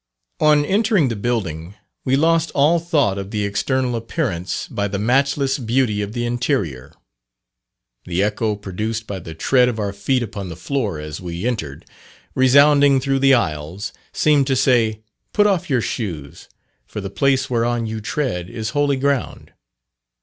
On entering the building, we lost all thought of the external appearance by the matchless beauty of the interior. The echo produced by the tread of our feet upon the floor as we entered, resounding through the aisles, seemed to say "Put off your shoes, for the place whereon you tread is holy ground."